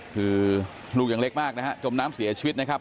คือลูกยังเล็กมากนะฮะจมน้ำเสียชีวิตนะครับ